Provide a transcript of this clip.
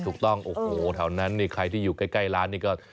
ถูกต้องโอ้โหแถวนั้นนี่ใครที่อยู่ใกล้ร้านนี่ก็